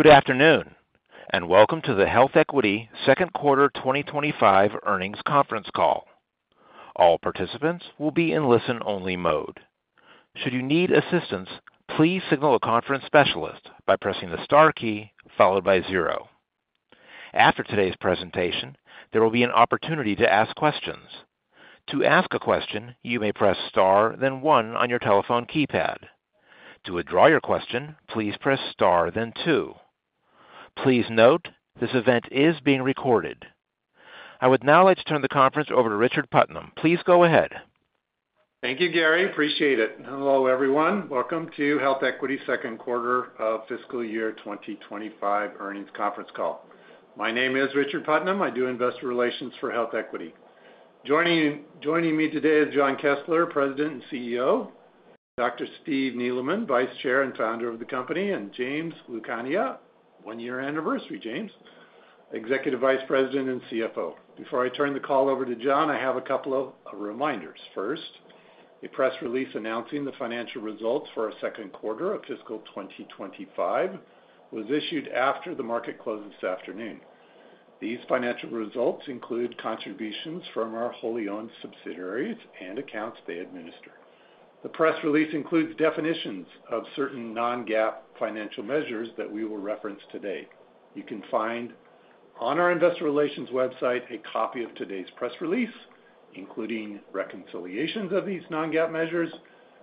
Good afternoon, and welcome to the HealthEquity Second Quarter 2025 Earnings Conference Call. All participants will be in listen-only mode. Should you need assistance, please signal a conference specialist by pressing the star key followed by zero. After today's presentation, there will be an opportunity to ask questions. To ask a question, you may press Star, then One on your telephone keypad. To withdraw your question, please press Star, then Two. Please note, this event is being recorded. I would now like to turn the conference over to Richard Putnam. Please go ahead. Thank you, Gary. Appreciate it. Hello, everyone. Welcome to HealthEquity second quarter of fiscal year 2025 earnings conference call. My name is Richard Putnam. I do investor relations for HealthEquity. Joining me today is Jon Kessler, President and CEO, Dr. Steve Neeleman, Vice Chair and Founder of the company, and James Lucania. One-year anniversary, James, Executive Vice President and CFO. Before I turn the call over to John, I have a couple of reminders. First, a press release announcing the financial results for our second quarter of fiscal 2025 was issued after the market closed this afternoon. These financial results include contributions from our wholly owned subsidiaries and accounts they administer. The press release includes definitions of certain non-GAAP financial measures that we will reference today. You can find on our investor relations website a copy of today's press release, including reconciliations of these non-GAAP measures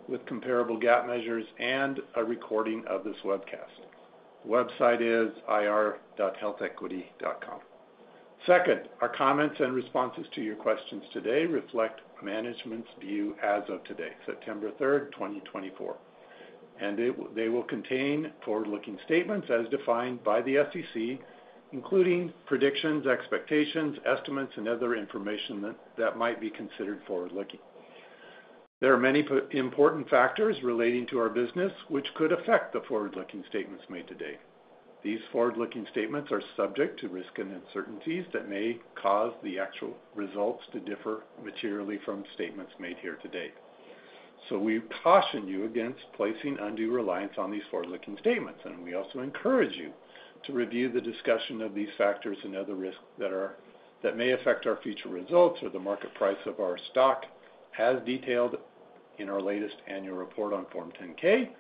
with comparable GAAP measures and a recording of this webcast. The website is ir.healthequity.com. Second, our comments and responses to your questions today reflect management's view as of today, September third, twenty twenty-four, and they will contain forward-looking statements as defined by the SEC, including predictions, expectations, estimates, and other information that might be considered forward-looking. There are many important factors relating to our business, which could affect the forward-looking statements made today. These forward-looking statements are subject to risks and uncertainties that may cause the actual results to differ materially from statements made here today. So we caution you against placing undue reliance on these forward-looking statements, and we also encourage you to review the discussion of these factors and other risks that may affect our future results or the market price of our stock, as detailed in our latest annual report on Form 10-K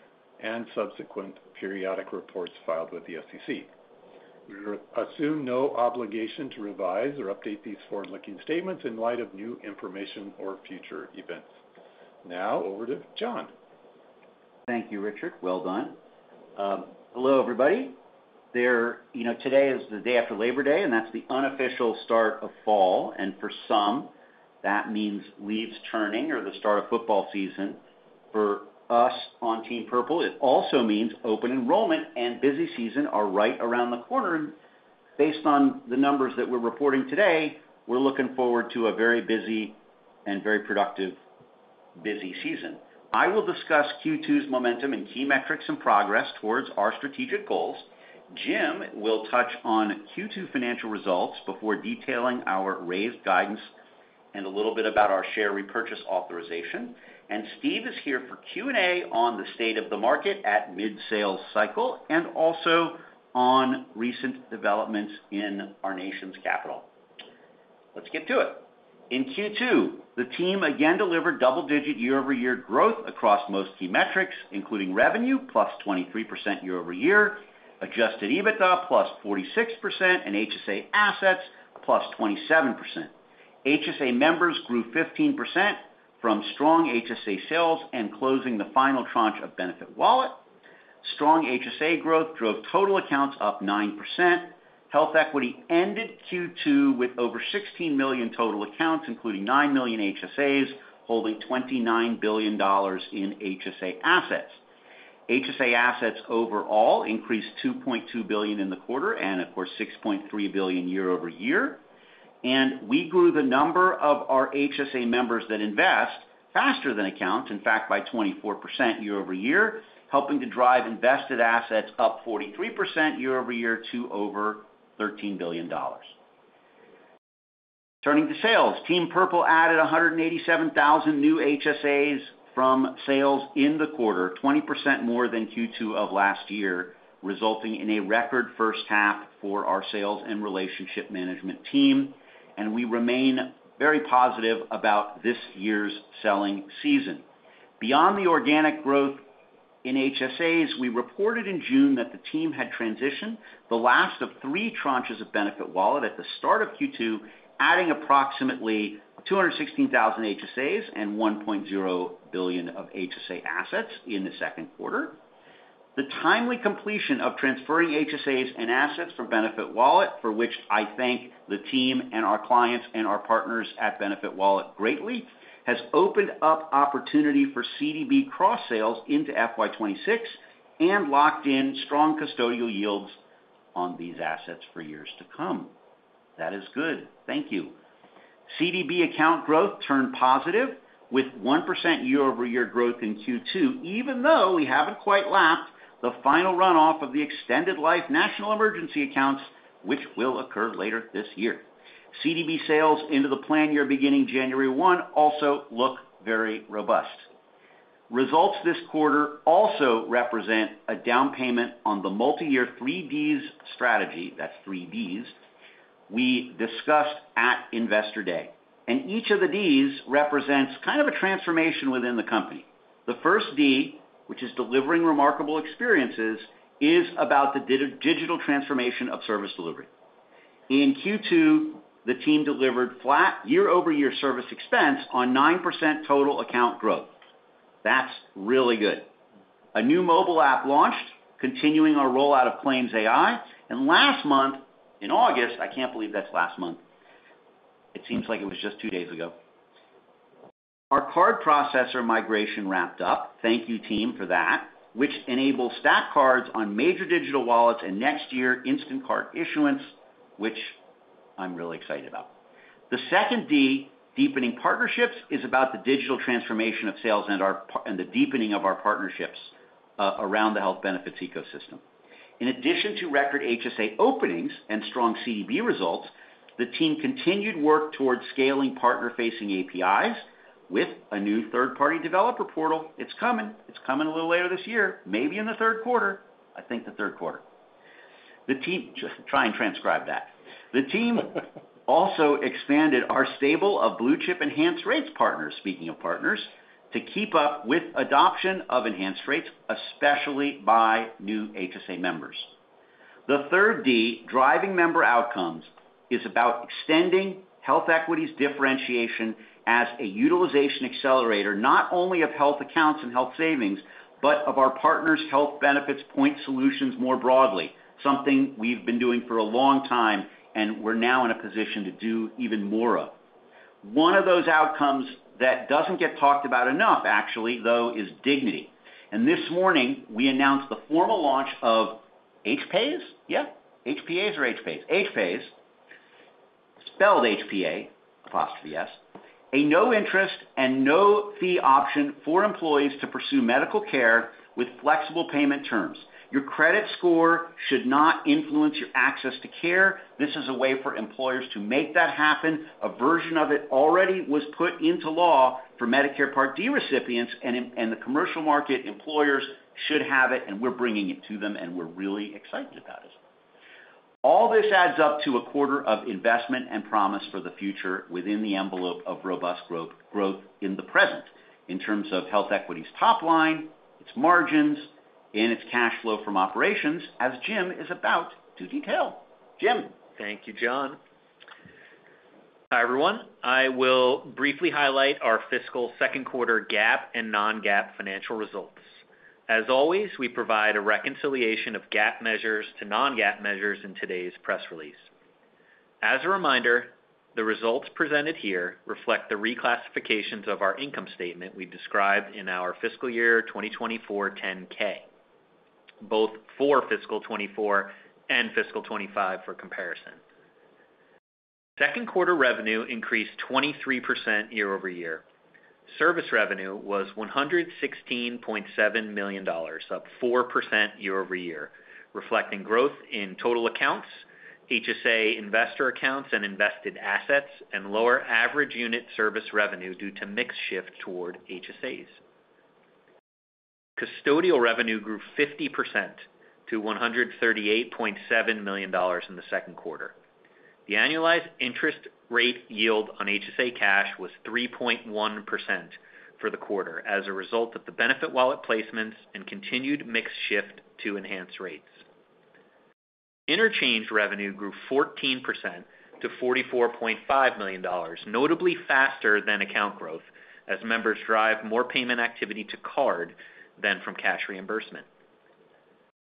and subsequent periodic reports filed with the SEC. We assume no obligation to revise or update these forward-looking statements in light of new information or future events. Now, over to John. Thank you, Richard. Well done. Hello, everybody. You know, today is the day after Labor Day, and that's the unofficial start of fall, and for some, that means leaves turning or the start of football season. For us on Team Purple, it also means open enrollment and busy season are right around the corner. Based on the numbers that we're reporting today, we're looking forward to a very busy and very productive busy season. I will discuss Q2's momentum and key metrics and progress towards our strategic goals. Jim will touch on Q2 financial results before detailing our raised guidance and a little bit about our share repurchase authorization. And Steve is here for Q&A on the state of the market at mid-sales cycle, and also on recent developments in our nation's capital. Let's get to it. In Q2, the team again delivered double-digit year-over-year growth across most key metrics, including revenue, plus 23% year over year, Adjusted EBITDA, plus 46%, and HSA assets, plus 27%. HSA members grew 15% from strong HSA sales and closing the final tranche of BenefitWallet. Strong HSA growth drove total accounts up 9%. HealthEquity ended Q2 with over 16 million total accounts, including 9 million HSAs, holding $29 billion in HSA assets. HSA assets overall increased $2.2 billion in the quarter, and of course, $6.3 billion year over year. And we grew the number of our HSA members that invest faster than accounts, in fact, by 24% year over year, helping to drive invested assets up 43% year over year to over $13 billion. Turning to sales, Team Purple added 187,000 new HSAs from sales in the quarter, 20% more than Q2 of last year, resulting in a record first half for our sales and relationship management team. And we remain very positive about this year's selling season. Beyond the organic growth in HSAs, we reported in June that the team had transitioned the last of three tranches of BenefitWallet at the start of Q2, adding approximately 216,000 HSAs and $1.0 billion of HSA assets in the second quarter. The timely completion of transferring HSAs and assets from BenefitWallet, for which I thank the team and our clients and our partners at BenefitWallet greatly, has opened up opportunity for CDB cross-sales into FY 2026 and locked in strong custodial yields on these assets for years to come. That is good. Thank you. CDB account growth turned positive, with 1% year-over-year growth in Q2, even though we haven't quite lapped the final runoff of the extended life national emergency accounts, which will occur later this year. CDB sales into the plan year, beginning January one, also look very robust.... Results this quarter also represent a down payment on the multi-year three Ds strategy, that's three Ds, we discussed at Investor Day, and each of the Ds represents kind of a transformation within the company. The first D, which is delivering remarkable experiences, is about the digital transformation of service delivery. In Q2, the team delivered flat year-over-year service expense on 9% total account growth. That's really good. A new mobile app launched, continuing our rollout of Claims AI. Last month, in August, I can't believe that's last month, it seems like it was just two days ago. Our card processor migration wrapped up, thank you, team, for that, which enables stack cards on major digital wallets, and next year, instant card issuance, which I'm really excited about. The second D, deepening partnerships, is about the digital transformation of sales and our partnerships and the deepening of our partnerships around the health benefits ecosystem. In addition to record HSA openings and strong CDB results, the team continued work towards scaling partner-facing APIs with a new third-party developer portal. It's coming. It's coming a little later this year, maybe in the third quarter, I think the third quarter. The team. The team also expanded our stable of blue-chip enhanced rates partners, speaking of partners, to keep up with adoption of enhanced rates, especially by new HSA members. The third D, driving member outcomes, is about extending HealthEquity's differentiation as a utilization accelerator, not only of health accounts and health savings, but of our partners' health benefits point solutions more broadly, something we've been doing for a long time, and we're now in a position to do even more of. One of those outcomes that doesn't get talked about enough, actually, though, is dignity. And this morning, we announced the formal launch of HPA's. Yeah, HPA's or HPA's. HPA's, spelled HPA apostrophe S, a no interest and no fee option for employees to pursue medical care with flexible payment terms. Your credit score should not influence your access to care. This is a way for employers to make that happen. A version of it already was put into law for Medicare Part D recipients, and in the commercial market, employers should have it, and we're bringing it to them, and we're really excited about it. All this adds up to a quarter of investment and promise for the future within the envelope of robust growth, growth in the present, in terms of HealthEquity's top line, its margins, and its cash flow from operations, as Jim is about to detail. Jim? Thank you, John. Hi, everyone. I will briefly highlight our fiscal second quarter GAAP and non-GAAP financial results. As always, we provide a reconciliation of GAAP measures to non-GAAP measures in today's press release. As a reminder, the results presented here reflect the reclassifications of our income statement we described in our fiscal year 2024 10-K, both for fiscal 2024 and fiscal 2025 for comparison. Second quarter revenue increased 23% year over year. Service revenue was $116.7 million, up 4% year over year, reflecting growth in total accounts, HSA investor accounts and invested assets, and lower average unit service revenue due to mix shift toward HSAs. Custodial revenue grew 50% to $138.7 million in the second quarter. The annualized interest rate yield on HSA cash was 3.1% for the quarter as a result of the BenefitWallet placements and continued mix shift to enhanced rates. Interchange revenue grew 14% to $44.5 million, notably faster than account growth, as members drive more payment activity to card than from cash reimbursement.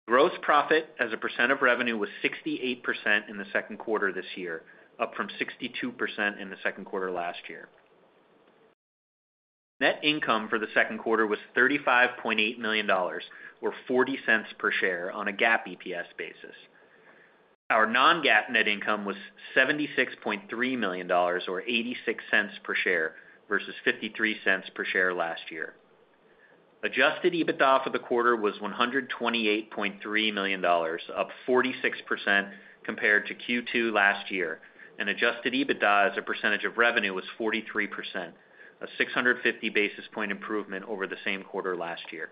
Gross profit as a percent of revenue was 68% in the second quarter this year, up from 62% in the second quarter last year. Net income for the second quarter was $35.8 million, or 40 cents per share on a GAAP EPS basis. Our non-GAAP net income was $76.3 million, or 86 cents per share, versus 53 cents per share last year. Adjusted EBITDA for the quarter was $128.3 million, up 46% compared to Q2 last year, and Adjusted EBITDA as a percentage of revenue was 43%, a 650 basis point improvement over the same quarter last year.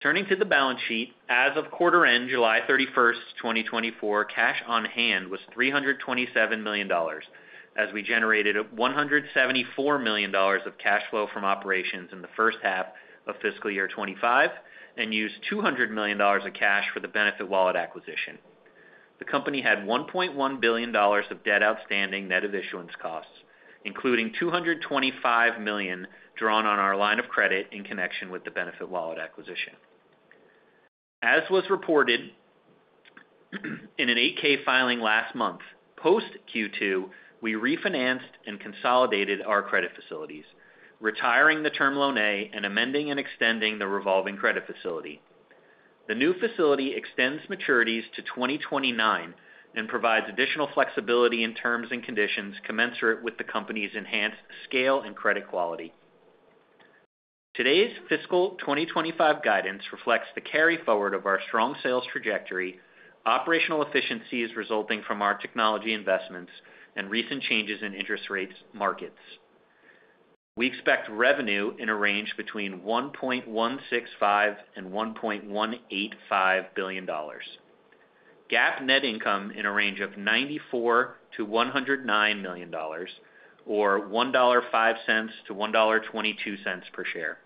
Turning to the balance sheet, as of quarter end, July thirty-first, 2024, cash on hand was $327 million, as we generated $174 million of cash flow from operations in the first half of fiscal year 2025, and used $200 million of cash for the BenefitWallet acquisition. The company had $1.1 billion of debt outstanding net of issuance costs, including $225 million drawn on our line of credit in connection with the BenefitWallet acquisition. As was reported in an 8-K filing last month, post Q2, we refinanced and consolidated our credit facilities, retiring the Term Loan A and amending and extending the revolving credit facility. The new facility extends maturities to 2029 and provides additional flexibility in terms and conditions commensurate with the company's enhanced scale and credit quality. Today's fiscal 2025 guidance reflects the carryforward of our strong sales trajectory, operational efficiencies resulting from our technology investments, and recent changes in interest rate markets. We expect revenue in a range between $1.165 and $1.185 billion. GAAP net income in a range of $94 to $109 million, or $1.05 to $1.22 per share.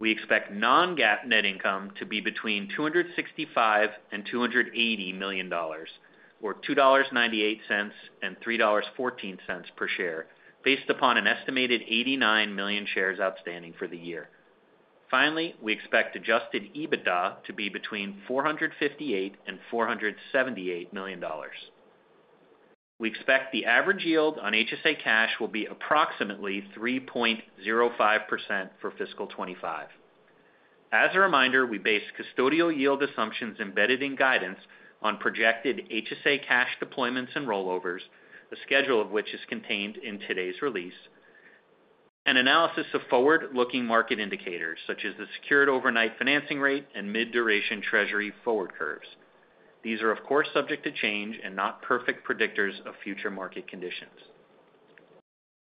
We expect non-GAAP net income to be between $265 and $280 million, or $2.98 and $3.14 per share, based upon an estimated 89 million shares outstanding for the year. Finally, we expect Adjusted EBITDA to be between $458 and $478 million. We expect the average yield on HSA cash will be approximately 3.05% for fiscal 2025. As a reminder, we base custodial yield assumptions embedded in guidance on projected HSA cash deployments and rollovers, the schedule of which is contained in today's release, and analysis of forward-looking market indicators, such as the Secured Overnight Financing Rate and mid-duration treasury forward curves. These are, of course, subject to change and not perfect predictors of future market conditions.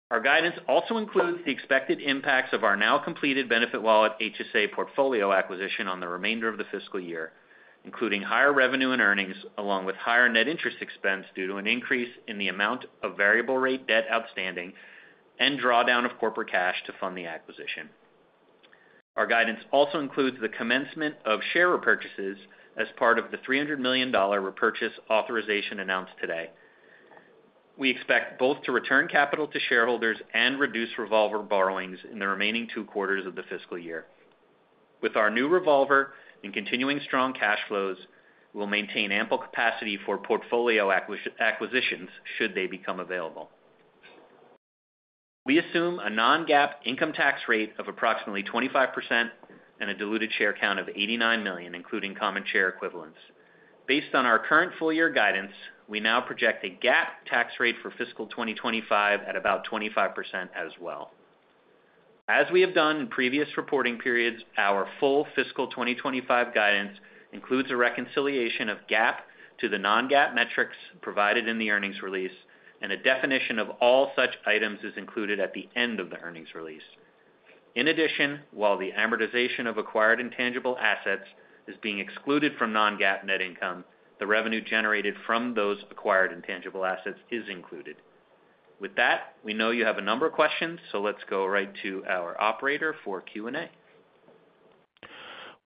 Our guidance also includes the expected impacts of our now completed BenefitWallet HSA portfolio acquisition on the remainder of the fiscal year, including higher revenue and earnings, along with higher net interest expense due to an increase in the amount of variable rate debt outstanding and drawdown of corporate cash to fund the acquisition. Our guidance also includes the commencement of share repurchases as part of the $300 million repurchase authorization announced today. We expect both to return capital to shareholders and reduce revolver borrowings in the remaining two quarters of the fiscal year. With our new revolver and continuing strong cash flows, we'll maintain ample capacity for portfolio acquisitions should they become available. We assume a non-GAAP income tax rate of approximately 25% and a diluted share count of 89 million, including common share equivalents. Based on our current full year guidance, we now project a GAAP tax rate for fiscal 2025 at about 25% as well. As we have done in previous reporting periods, our full fiscal 2025 guidance includes a reconciliation of GAAP to the non-GAAP metrics provided in the earnings release, and a definition of all such items is included at the end of the earnings release. In addition, while the amortization of acquired intangible assets is being excluded from non-GAAP net income, the revenue generated from those acquired intangible assets is included. With that, we know you have a number of questions, so let's go right to our operator for Q&A.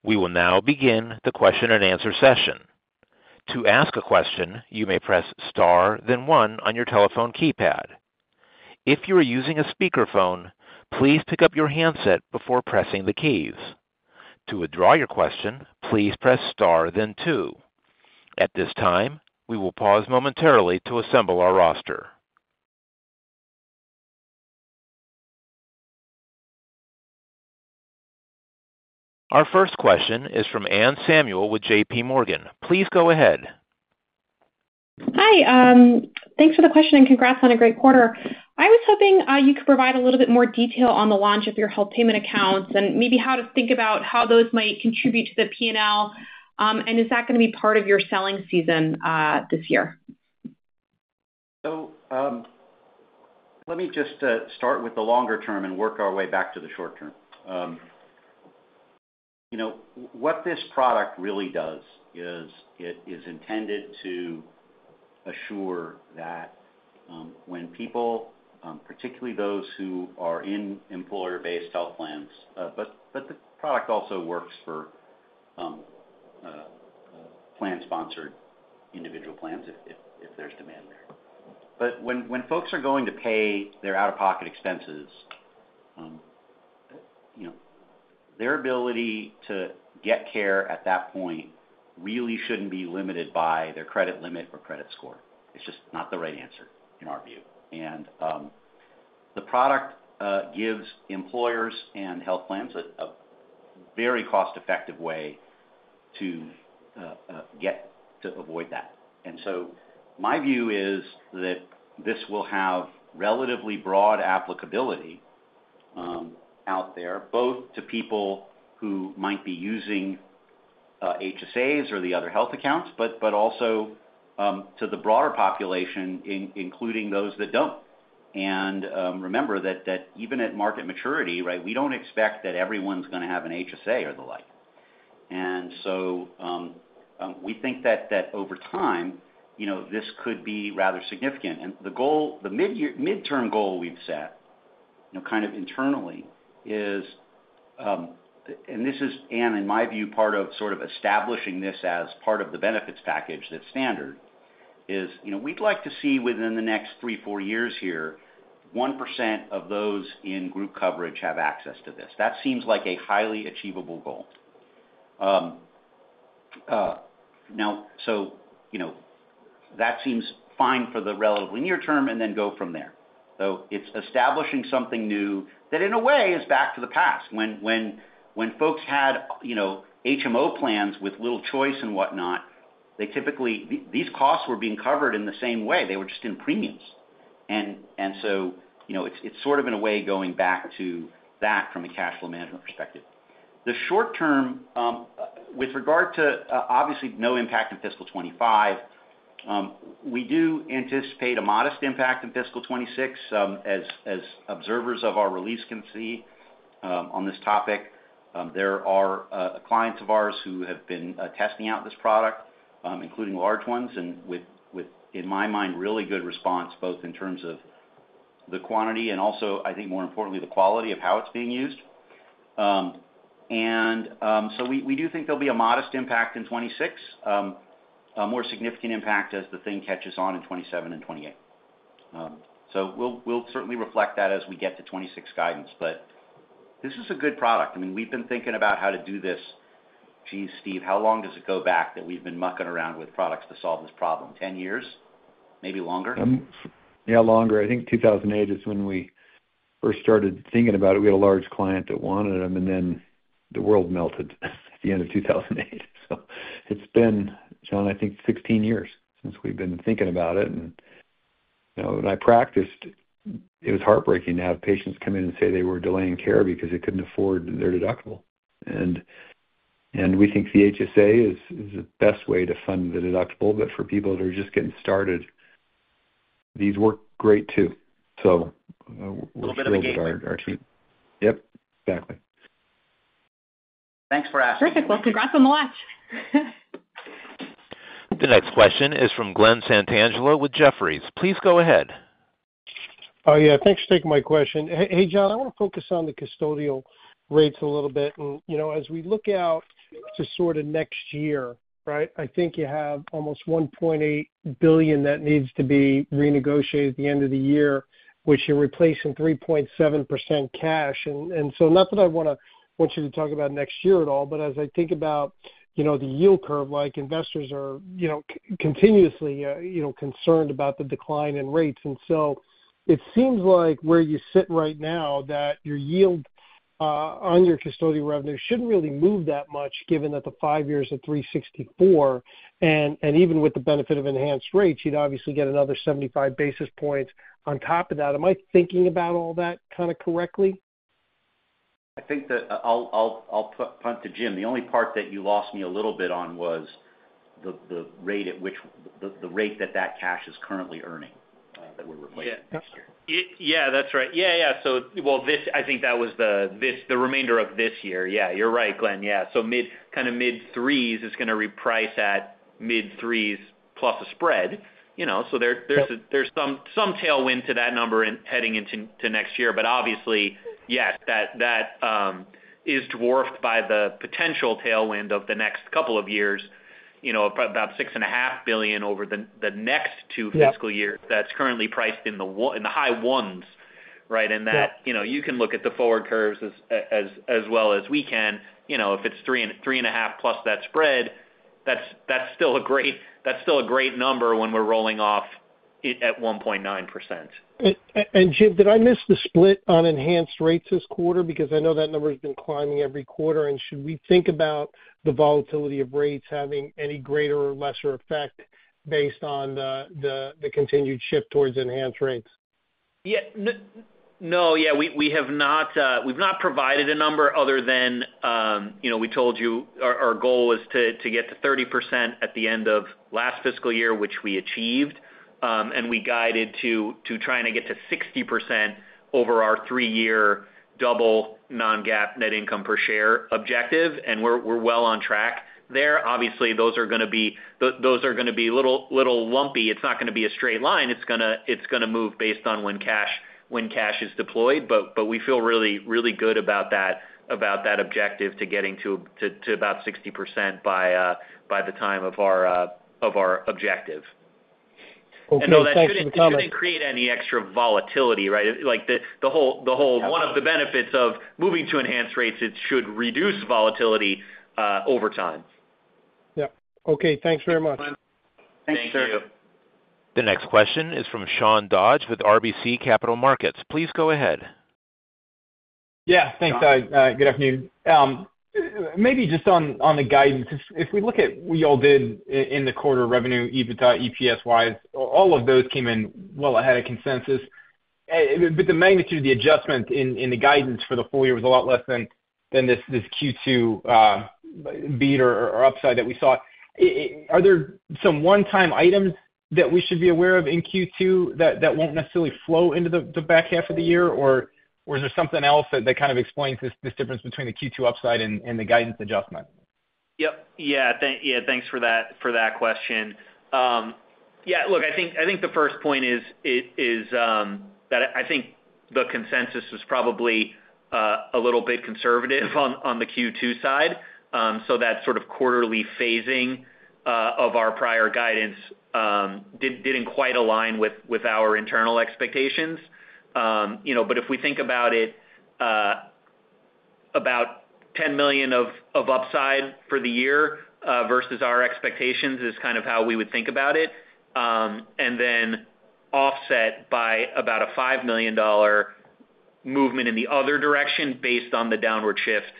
We will now begin the question-and-answer session. To ask a question, you may press star, then one on your telephone keypad. If you are using a speakerphone, please pick up your handset before pressing the keys. To withdraw your question, please press star then two. At this time, we will pause momentarily to assemble our roster. Our first question is from Anne Samuel with J.P. Morgan. Please go ahead. Hi, thanks for the question, and congrats on a great quarter. I was hoping you could provide a little bit more detail on the launch of your Health Payment Accounts and maybe how to think about how those might contribute to the P&L, and is that gonna be part of your selling season this year? So, let me just start with the longer term and work our way back to the short term. You know, what this product really does is it is intended to assure that, when people, particularly those who are in employer-based health plans, but the product also works for plan-sponsored individual plans if there's demand there. But when folks are going to pay their out-of-pocket expenses, you know, their ability to get care at that point really shouldn't be limited by their credit limit or credit score. It's just not the right answer, in our view. And the product gives employers and health plans a very cost-effective way to get to avoid that. And so my view is that this will have relatively broad applicability out there, both to people who might be using HSAs or the other health accounts, but also to the broader population, including those that don't. And remember that even at market maturity, right, we don't expect that everyone's gonna have an HSA or the like. And so we think that over time, you know, this could be rather significant. And the goal, the midterm goal we've set, you know, kind of internally is, and this is, Anne, in my view, part of sort of establishing this as part of the benefits package that's standard, is, you know, we'd like to see within the next three-four years here, 1% of those in group coverage have access to this. That seems like a highly achievable goal. Now so, you know, that seems fine for the relatively near term and then go from there. So it's establishing something new that, in a way, is back to the past when folks had, you know, HMO plans with little choice and whatnot. They typically, these costs were being covered in the same way, they were just in premiums, and so, you know, it's sort of in a way, going back to that from a cash flow management perspective.... The short term, with regard to, obviously, no impact in fiscal 2025, we do anticipate a modest impact in fiscal 2026. As observers of our release can see, on this topic, there are clients of ours who have been testing out this product, including large ones, and with, in my mind, really good response, both in terms of the quantity and also, I think more importantly, the quality of how it's being used, and so we do think there'll be a modest impact in 2026, a more significant impact as the thing catches on in 2027 and 2028, so we'll certainly reflect that as we get to 2026 guidance. But this is a good product. I mean, we've been thinking about how to do this... Gee, Steve, how long does it go back that we've been mucking around with products to solve this problem? Ten years, maybe longer? Yeah, longer. I think 2008 is when we first started thinking about it. We had a large client that wanted them, and then the world melted at the end of 2008. So it's been, John, I think 16 years since we've been thinking about it. And, you know, when I practiced, it was heartbreaking to have patients come in and say they were delaying care because they couldn't afford their deductible. And we think the HSA is the best way to fund the deductible, but for people that are just getting started, these work great, too. So- Little bit of a game changer. Yep, exactly. Thanks for asking. Perfect. Well, congrats on the watch. The next question is from Glen Santangelo with Jefferies. Please go ahead. Oh, yeah, thanks for taking my question. Hey, hey, John, I want to focus on the custodial rates a little bit. And, you know, as we look out to sort of next year, right, I think you have almost $1.8 billion that needs to be renegotiated at the end of the year, which you're replacing 3.7% cash. And so not that I want you to talk about next year at all, but as I think about, you know, the yield curve, like, investors are, you know, continuously concerned about the decline in rates. And so it seems like where you sit right now, that your yield on your custodial revenue shouldn't really move that much, given that the five years of three sixty-four, and even with the benefit of enhanced rates, you'd obviously get another seventy-five basis points on top of that. Am I thinking about all that kinda correctly? I think that I'll punt to Jim. The only part that you lost me a little bit on was the rate that the cash is currently earning that we're replacing next year. Yeah, that's right. Yeah. So, well, I think that was the remainder of this year. Yeah, you're right, Glenn. Yeah. So mid, kinda mid threes is gonna reprice at mid threes plus a spread, you know, so there- Yep. There's some tailwind to that number heading into next year. But obviously, yes, that is dwarfed by the potential tailwind of the next couple of years, you know, about $6.5 billion over the next two- Yeah fiscal years. That's currently priced in the ones, in the high ones, right? Yeah. That, you know, you can look at the forward curves as well as we can. You know, if it's three and a half plus that spread, that's still a great number when we're rolling off it at 1.9%. And, Jim, did I miss the split on enhanced rates this quarter? Because I know that number has been climbing every quarter. And should we think about the volatility of rates having any greater or lesser effect based on the continued shift towards enhanced rates? Yeah. No, yeah, we have not. We've not provided a number other than, you know, we told you our goal was to get to 30% at the end of last fiscal year, which we achieved. And we guided to trying to get to 60% over our three-year double non-GAAP net income per share objective, and we're well on track there. Obviously, those are gonna be a little lumpy. It's not gonna be a straight line. It's gonna move based on when cash is deployed. But we feel really good about that objective to getting to about 60% by the time of our objective. Okay. Thanks for the comment. No, that shouldn't create any extra volatility, right? Like, the whole one of the benefits of moving to enhanced rates, it should reduce volatility over time. Yep. Okay, thanks very much. Thanks. Thank you. The next question is from Sean Dodge with RBC Capital Markets. Please go ahead. Yeah, thanks, guys. Good afternoon. Maybe just on the guidance. If we look at what you all did in the quarter, revenue, EBITDA, EPS-wise, all of those came in well ahead of consensus. But the magnitude of the adjustment in the guidance for the full year was a lot less than this Q2 beat or upside that we saw. Are there some one-time items that we should be aware of in Q2, that won't necessarily flow into the back half of the year? Or is there something else that kind of explains this difference between the Q2 upside and the guidance adjustment? Yeah, thanks for that question. Yeah, look, I think the first point is that I think the consensus was probably a little bit conservative on the Q2 side. So that sort of quarterly phasing of our prior guidance didn't quite align with our internal expectations. You know, but if we think about it, about $10 million of upside for the year versus our expectations is kind of how we would think about it. And then offset by about a $5 million movement in the other direction, based on the downward shift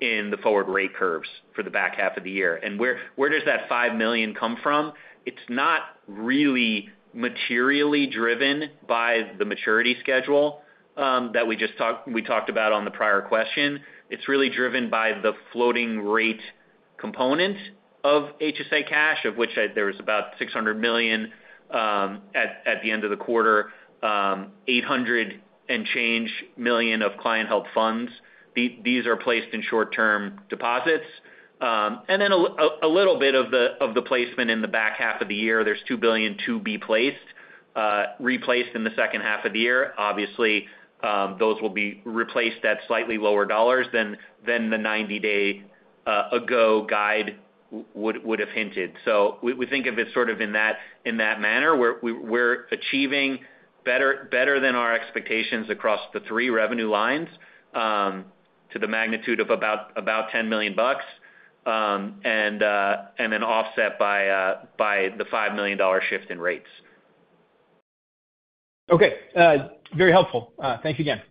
in the forward rate curves for the back half of the year. And where does that $5 million come from? It's not really materially driven by the maturity schedule, that we just talked about on the prior question. It's really driven by the floating rate-... component of HSA cash, of which there was about $600 million at the end of the quarter, $800 million and change of client health funds. These are placed in short-term deposits. And then a little bit of the placement in the back half of the year, there's $2 billion to be replaced in the second half of the year. Obviously, those will be replaced at slightly lower dollars than the 90-day ago guide would have hinted. So we think of it sort of in that manner, where we're achieving better than our expectations across the three revenue lines to the magnitude of about $10 million, and then offset by the $5 million shift in rates. Okay. Very helpful. Thank you again.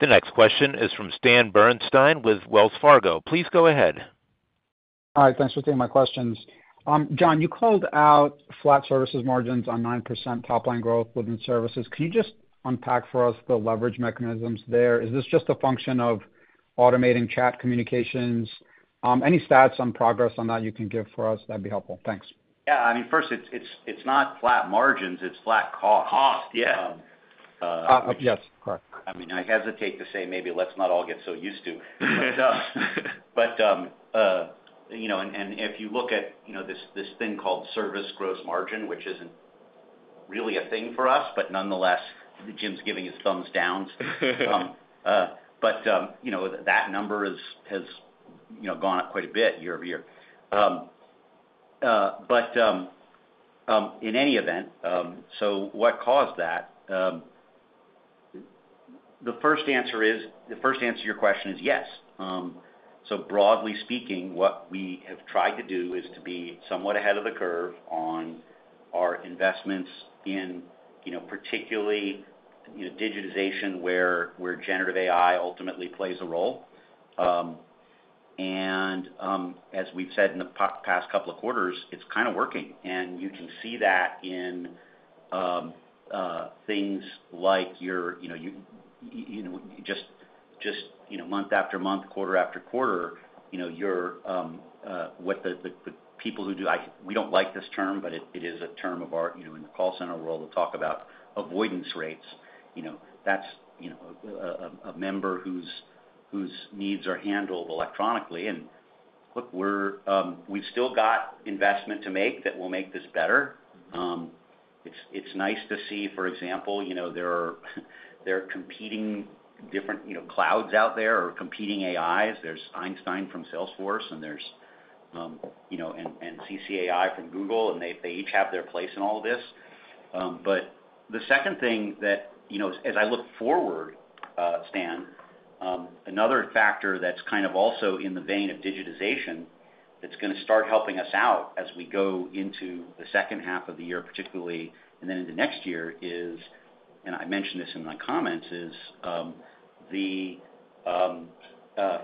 The next question is from Stan Berenshteyn with Wells Fargo. Please go ahead. Hi, thanks for taking my questions. John, you called out flat services margins on 9% top line growth within services. Can you just unpack for us the leverage mechanisms there? Is this just a function of automating chat communications? Any stats on progress on that you can give for us, that'd be helpful. Thanks. Yeah, I mean, first, it's not flat margins, it's flat costs. Costs, yeah. Um, uh- Yes, correct. I mean, I hesitate to say, maybe let's not all get so used to, but you know, and if you look at you know, this thing called service gross margin, which isn't really a thing for us, but nonetheless, Jim's giving his thumbs down. You know, that number has gone up quite a bit year over year. In any event, so what caused that? The first answer to your question is yes, so broadly speaking, what we have tried to do is to be somewhat ahead of the curve on our investments in you know, particularly, digitization, where generative AI ultimately plays a role. And as we've said in the past couple of quarters, it's kind of working, and you can see that in things like your, you know, just month after month, quarter after quarter, you know, your what the people who do. We don't like this term, but it is a term of our, you know, in the call center world, we'll talk about avoidance rates. You know, that's a member whose needs are handled electronically. And look, we've still got investment to make that will make this better. It's nice to see, for example, you know, there are competing different, you know, clouds out there or competing AIs. There's Einstein from Salesforce, and there's, you know, and CCAI from Google, and they each have their place in all of this. But the second thing that, you know, as I look forward, Stan, another factor that's kind of also in the vein of digitization, that's gonna start helping us out as we go into the second half of the year, particularly, and then in the next year, is, and I mentioned this in my comments, the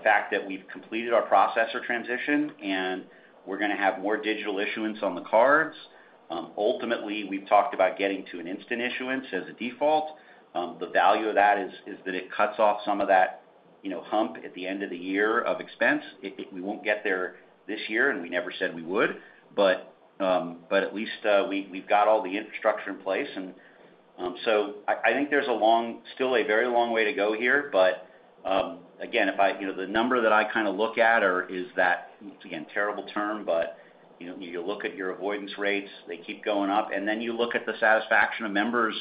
fact that we've completed our processor transition, and we're gonna have more digital issuance on the cards. Ultimately, we've talked about getting to an instant issuance as a default. The value of that is that it cuts off some of that, you know, hump at the end of the year of expense. We won't get there this year, and we never said we would, but at least we've got all the infrastructure in place. And so I think there's still a very long way to go here, but again, if I... You know, the number that I kind of look at are, is that, again, terrible term, but you know, you look at your avoidance rates, they keep going up, and then you look at the satisfaction of members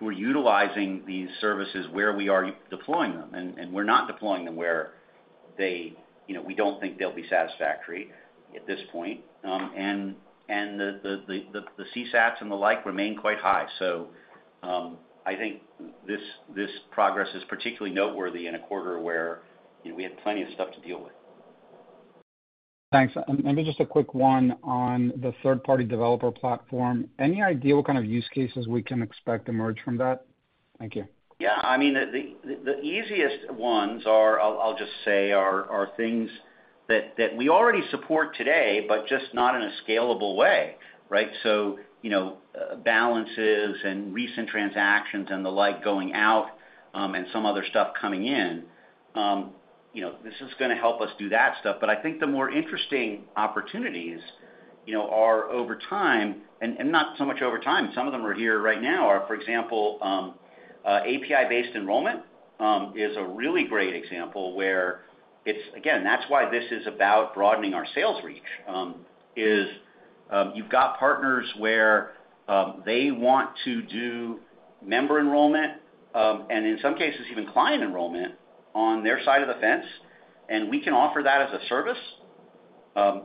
who are utilizing these services where we are deploying them, and we're not deploying them where they, you know, we don't think they'll be satisfactory at this point. And the CSATs and the like remain quite high. I think this progress is particularly noteworthy in a quarter where, you know, we had plenty of stuff to deal with. Thanks. Maybe just a quick one on the third-party developer platform. Any idea what kind of use cases we can expect to emerge from that? Thank you. Yeah. I mean, the easiest ones are, I'll just say are things that we already support today, but just not in a scalable way, right? So, you know, balances and recent transactions and the like going out, and some other stuff coming in, you know, this is gonna help us do that stuff. But I think the more interesting opportunities, you know, are over time, and not so much over time, some of them are here right now, are, for example, API-based enrollment is a really great example where it's... Again, that's why this is about broadening our sales reach, is, you've got partners where, they want to do member enrollment, and in some cases, even client enrollment on their side of the fence, and we can offer that as a service,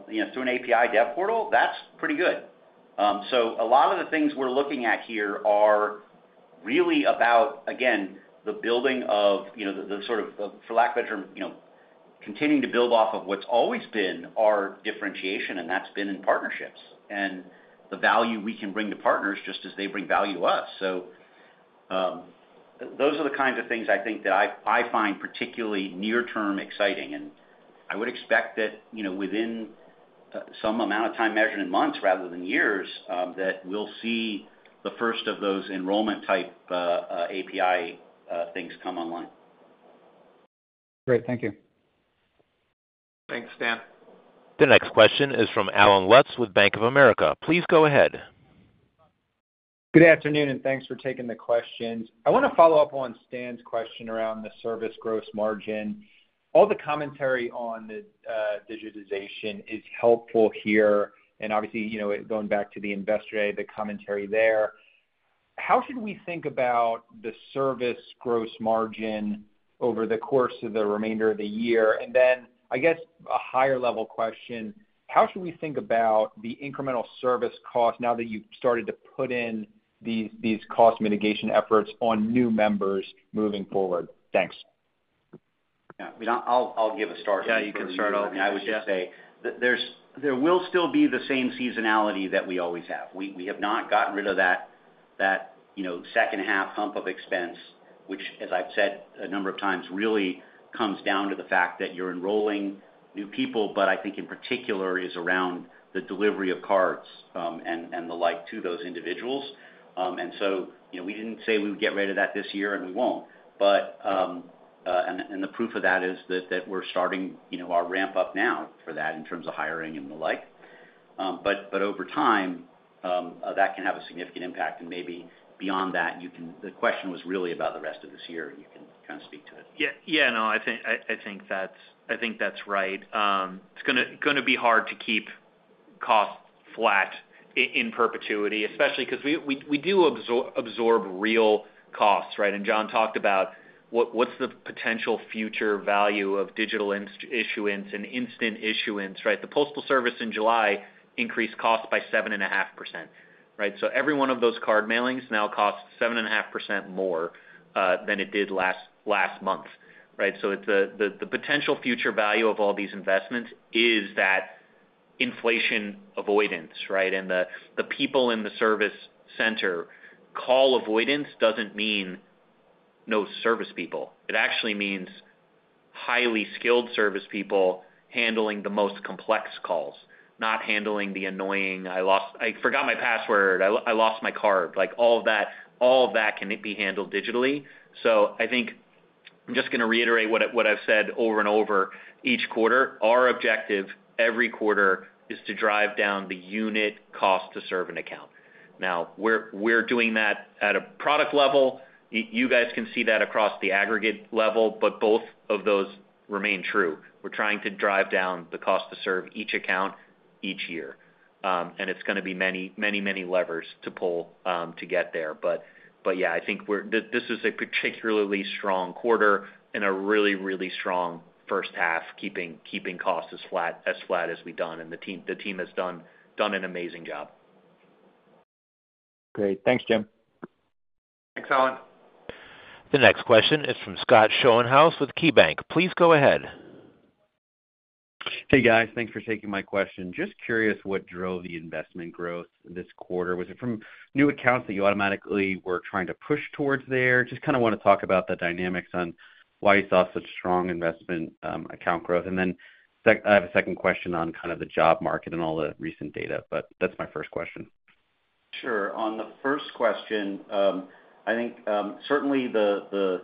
you know, through an API dev portal. That's pretty good. So a lot of the things we're looking at here are really about, again, the building of, you know, for lack of better, you know, continuing to build off of what's always been our differentiation, and that's been in partnerships and the value we can bring to partners just as they bring value to us. So, those are the kinds of things I think that I find particularly near-term exciting, and I would expect that, you know, within-... some amount of time measured in months rather than years, that we'll see the first of those enrollment-type API things come online. Great. Thank you. Thanks, Stan. The next question is from Allen Lutz with Bank of America. Please go ahead. Good afternoon, and thanks for taking the questions. I wanna follow up on Stan's question around the service gross margin. All the commentary on the digitization is helpful here, and obviously, you know, going back to the Investor Day, the commentary there. How should we think about the service gross margin over the course of the remainder of the year? And then, I guess, a higher level question: How should we think about the incremental service cost now that you've started to put in these cost mitigation efforts on new members moving forward? Thanks. Yeah. I mean, I'll give a start- Yeah, you can start off- I would just say that there will still be the same seasonality that we always have. We have not gotten rid of that, you know, second half hump of expense, which, as I've said a number of times, really comes down to the fact that you're enrolling new people, but I think in particular is around the delivery of cards, and the like, to those individuals. And so, you know, we didn't say we would get rid of that this year, and we won't. But the proof of that is that we're starting, you know, our ramp up now for that in terms of hiring and the like. But over time, that can have a significant impact and maybe beyond that, you can-- the question was really about the rest of this year, and you can kind of speak to it. Yeah, no, I think that's right. It's gonna be hard to keep costs flat in perpetuity, especially 'cause we do absorb real costs, right? And John talked about what's the potential future value of digital issuance and instant issuance, right? The Postal Service in July increased costs by 7.5%, right? So every one of those card mailings now costs 7.5% more than it did last month, right? So it's the potential future value of all these investments is that inflation avoidance, right? And the people in the service center, call avoidance doesn't mean no service people. It actually means highly skilled service people handling the most complex calls, not handling the annoying, "I lost. I forgot my password. I lost my card." Like, all of that, all of that can be handled digitally. So I think I'm just gonna reiterate what I, what I've said over and over each quarter. Our objective every quarter is to drive down the unit cost to serve an account. Now, we're, we're doing that at a product level. You guys can see that across the aggregate level, but both of those remain true. We're trying to drive down the cost to serve each account each year. And it's gonna be many, many, many levers to pull to get there. But yeah, I think this is a particularly strong quarter and a really, really strong first half, keeping costs as flat as we've done. And the team has done an amazing job. Great. Thanks, Jim. Thanks, Allen. The next question is from Scott Schoenhaus with KeyBanc. Please go ahead. Hey, guys. Thanks for taking my question. Just curious, what drove the investment growth this quarter? Was it from new accounts that you automatically were trying to push towards there? Just kind of wanna talk about the dynamics on why you saw such strong investment account growth. And then I have a second question on kind of the job market and all the recent data, but that's my first question. Sure. On the first question, I think, certainly the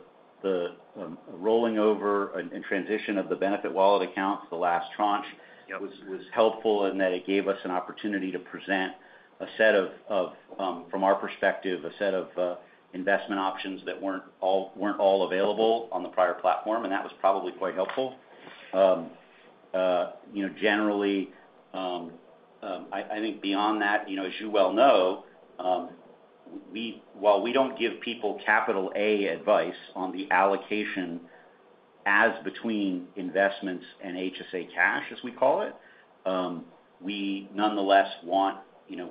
rolling over and transition of the BenefitWallet accounts, the last tranche- Yep... was helpful in that it gave us an opportunity to present a set of from our perspective, a set of investment options that weren't all available on the prior platform, and that was probably quite helpful. You know, generally, I think beyond that, you know, as you well know, we, while we don't give people capital A advice on the allocation as between investments and HSA cash, as we call it, we nonetheless want, you know,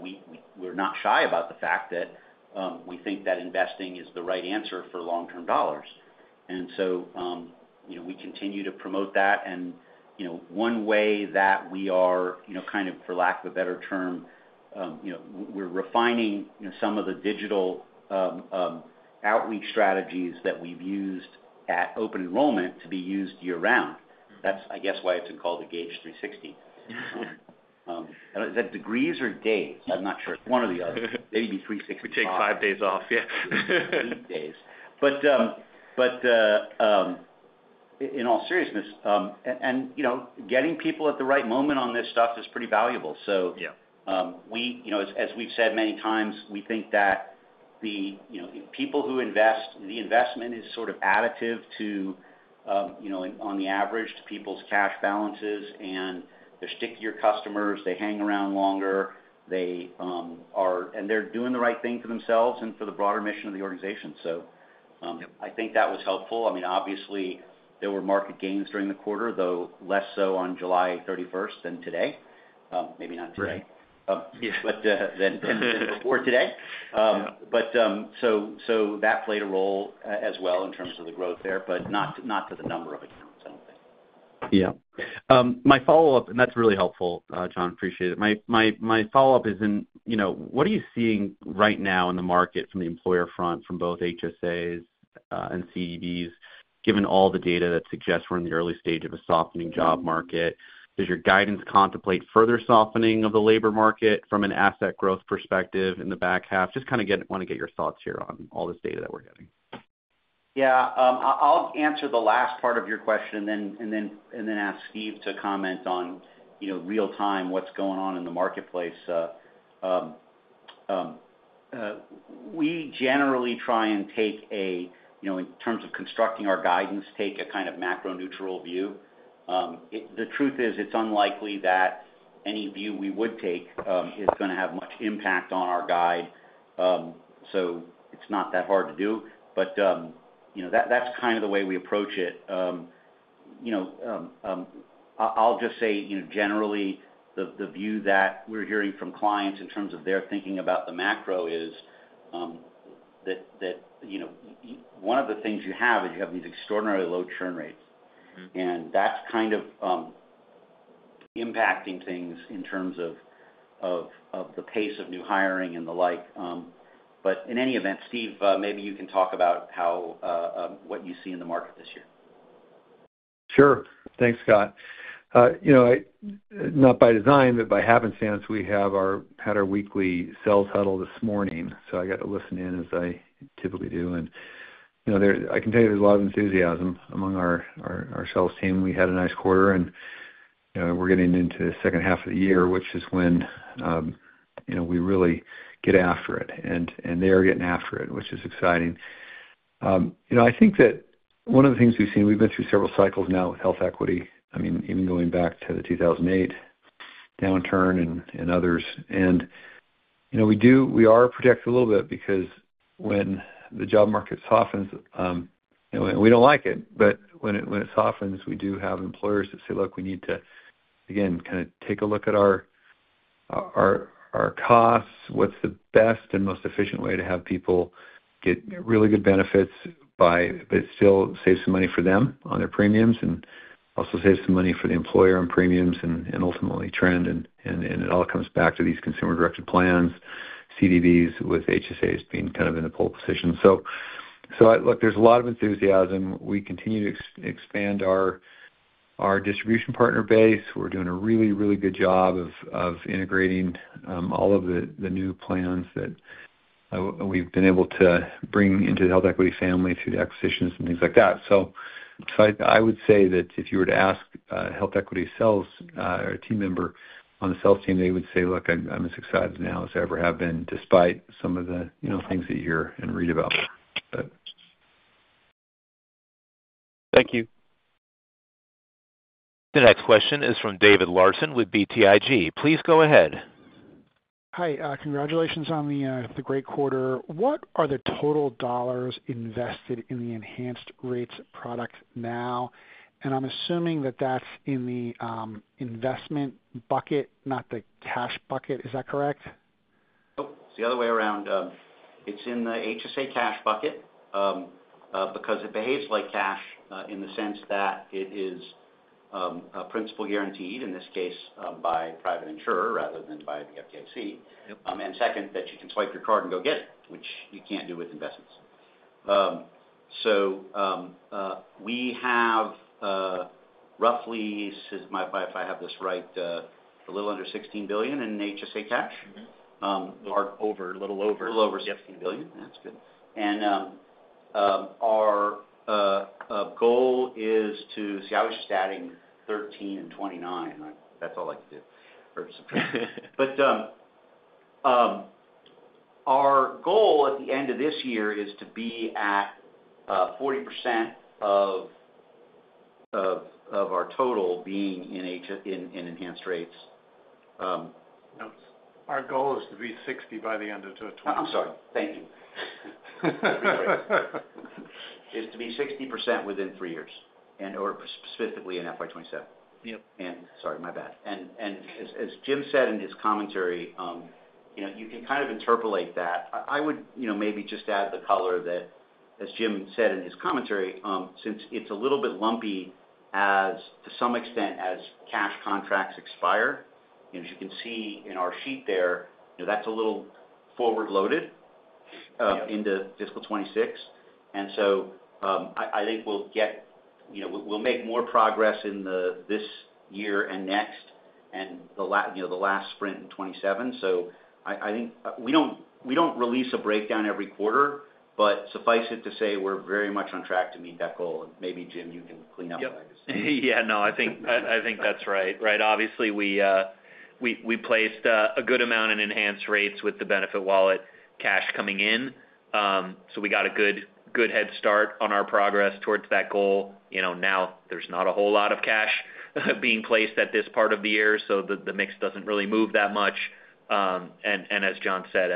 we're not shy about the fact that we think that investing is the right answer for long-term dollars, and so, you know, we continue to promote that. You know, one way that we are, you know, kind of, for lack of a better term, you know, we're refining, you know, some of the digital outreach strategies that we've used at open enrollment to be used year-round. That's, I guess, why it's called Engage360. Is that degrees or days? I'm not sure. It's one or the other. Maybe 365. We take five days off, yeah. Days. But in all seriousness, and you know, getting people at the right moment on this stuff is pretty valuable. So- Yeah we, you know, as we've said many times, we think that the, you know, people who invest, the investment is sort of additive to, you know, on the average, to people's cash balances, and they're stickier customers, they hang around longer, they are, and they're doing the right thing for themselves and for the broader mission of the organization. So, Yep... I think that was helpful. I mean, obviously, there were market gains during the quarter, though less so on July thirty-first than today. Maybe not today. Right. But before today. Yeah. But that played a role as well in terms of the growth there, but not to the number of accounts, I don't think.... Yeah. My follow-up, and that's really helpful, John, appreciate it. My follow-up is, you know, what are you seeing right now in the market from the employer front, from both HSAs and CDBs, given all the data that suggests we're in the early stage of a softening job market? Does your guidance contemplate further softening of the labor market from an asset growth perspective in the back half? Just kind of want to get your thoughts here on all this data that we're getting. Yeah, I'll answer the last part of your question and then ask Steve to comment on, you know, real time, what's going on in the marketplace. We generally try and take a, you know, in terms of constructing our guidance, take a kind of macro-neutral view. The truth is, it's unlikely that any view we would take is gonna have much impact on our guide. So it's not that hard to do, but, you know, that's kind of the way we approach it. I'll just say, you know, generally, the view that we're hearing from clients in terms of their thinking about the macro is that, you know, one of the things you have is these extraordinarily low churn rates. Mm-hmm. That's kind of impacting things in terms of the pace of new hiring and the like. In any event, Steve, maybe you can talk about how what you see in the market this year. Sure. Thanks, Scott. You know, I not by design, but by happenstance, we had our weekly sales huddle this morning, so I got to listen in as I typically do. And, you know, I can tell you there's a lot of enthusiasm among our sales team. We had a nice quarter, and we're getting into the second half of the year, which is when, you know, we really get after it. And they are getting after it, which is exciting. You know, I think that one of the things we've seen, we've been through several cycles now with HealthEquity, I mean, even going back to the 2008 downturn and others. You know, we do. We are protected a little bit because when the job market softens, and we don't like it, but when it softens, we do have employers that say: Look, we need to, again, kind of take a look at our costs. What's the best and most efficient way to have people get really good benefits by, but still save some money for them on their premiums, and also save some money for the employer on premiums and ultimately trend, and it all comes back to these consumer-directed plans, CDBs, with HSAs being kind of in the pole position. So I look, there's a lot of enthusiasm. We continue to expand our distribution partner base. We're doing a really, really good job of integrating all of the new plans that we've been able to bring into the HealthEquity family through the acquisitions and things like that. So I would say that if you were to ask HealthEquity sales or a team member on the sales team, they would say, "Look, I'm as excited now as I ever have been," despite some of the, you know, things that you hear and read about. But- Thank you. The next question is from David Larsen with BTIG. Please go ahead. Hi, congratulations on the great quarter. What are the total dollars invested in the enhanced rates product now? And I'm assuming that that's in the investment bucket, not the cash bucket. Is that correct? Nope, it's the other way around. It's in the HSA cash bucket, because it behaves like cash, in the sense that it is, a principal guaranteed, in this case, by private insurer rather than by the FDIC. Yep. And second, that you can swipe your card and go get it, which you can't do with investments. So, we have roughly, if I have this right, a little under sixteen billion in HSA cash. Mm-hmm. Or over, a little over. A little over $16 billion. That's good. Our goal is to... See, I was just adding thirteen and twenty-nine. That's all I can do. But our goal at the end of this year is to be at 40% of our total being in HSAs in enhanced rates. Our goal is to be 60 by the end of 20- I'm sorry. Thank you. Is to be 60% within three years and/or specifically in FY 2027. Yep. Sorry, my bad. As Jim said in his commentary, you know, you can kind of interpolate that. I would, you know, maybe just add the color that, as Jim said in his commentary, since it's a little bit lumpy, as to some extent, as cash contracts expire, and as you can see in our sheet there, you know, that's a little forward loaded- Yep... into fiscal twenty-six. And so, I think we'll get, you know, we'll make more progress in this year and next, and you know, the last sprint in twenty-seven. So I think, we don't release a breakdown every quarter, but suffice it to say, we're very much on track to meet that goal. And maybe, Jim, you can clean up what I just said. Yep. Yeah, no, I think that's right. Right. Obviously, we placed a good amount in enhanced rates with the BenefitWallet cash coming in. So we got a good head start on our progress towards that goal. You know, now there's not a whole lot of cash being placed at this part of the year, so the mix doesn't really move that much. And as John said,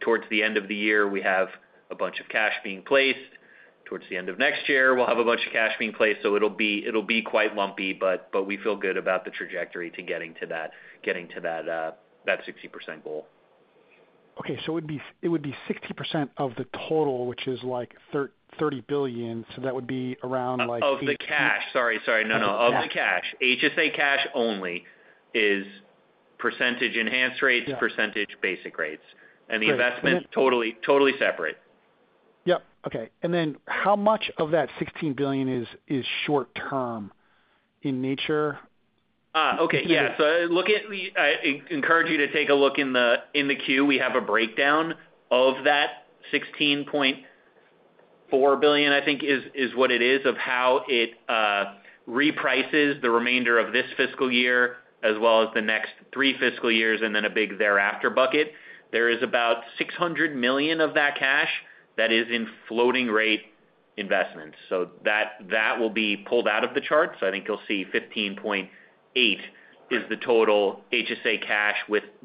towards the end of the year, we have a bunch of cash being placed. Towards the end of next year, we'll have a bunch of cash being placed, so it'll be quite lumpy, but we feel good about the trajectory to getting to that 60% goal. ... Okay, so it would be 60% of the total, which is like 30 billion. So that would be around like- Of the cash. HSA cash only is percentage enhanced rates- Yeah. - percentage basic rates. Right. The investment, totally, totally separate. Yep. Okay. And then how much of that $16 billion is short term in nature? Okay. Yeah. So look at the, I encourage you to take a look in the queue. We have a breakdown of that $16.4 billion, I think is what it is, of how it reprices the remainder of this fiscal year as well as the next three fiscal years, and then a big thereafter bucket. There is about $600 million of that cash that is in floating rate investments. So that will be pulled out of the charts. I think you'll see 15.8- Right. is the total HSA cash